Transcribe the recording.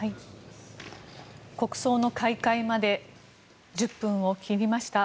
国葬の開会まで１０分を切りました。